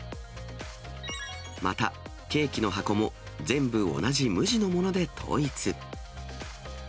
また、ケーキの箱も全部同じ無地のもので統一。